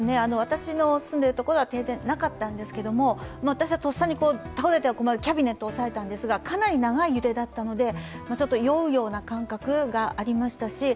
私の住んでいる所は停電なかったんですけど、私はとっさに倒れては困るキャビネットを押さえたんですがかなり長い揺れだったのでちょっと酔うような感覚がありました。